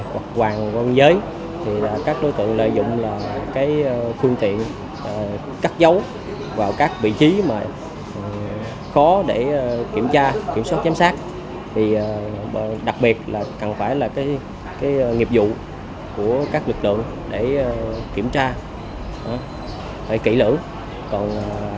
với danh nghĩa đi du lịch thăm thân các đối tượng có thể thu lời đến hơn hai kg trị giá bảy sáu tỷ đồng